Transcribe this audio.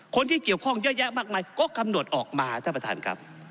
คนที่เกี่ยวข้องเยอะแยะมากมายก็กำหนดออกมาท่านประธานครับ